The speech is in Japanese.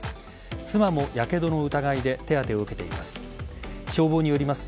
妻もやけどの疑いで手当てを受けています。